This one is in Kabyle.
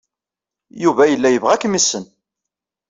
Yuba yella yebɣa ad kem-yessen.